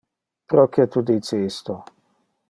Proque tu dice isto?